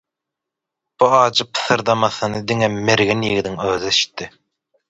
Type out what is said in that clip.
Bu ajy pysyrdamasyny diňe mergen ýigdiň özi eşitdi.